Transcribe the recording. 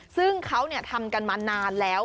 ซึ่งเขาทำกันมานานแล้ว